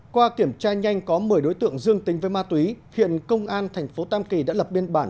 qua kiểm tra nhanh có một mươi đối tượng dương tính với ma túy hiện công an thành phố tam kỳ đã lập biên bản